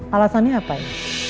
alasannya apa ini